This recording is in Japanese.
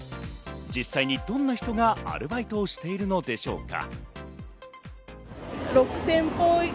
実際にどんな人がアルバイトをしているのでしょうか？